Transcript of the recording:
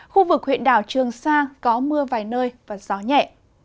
khu vực huyện đảo trường sa có mưa vài nơi và gió nhẹ